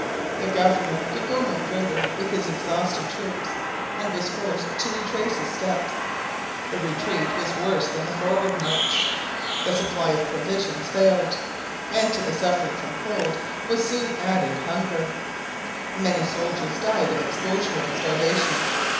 The governor could go no farther with his exhausted troops and was forced to retrace his steps. The retreat was worse than the forward march. The supply of provisions failed, and to the suffering from cold was soon added hunger. Many soldiers died of exposure and starvation.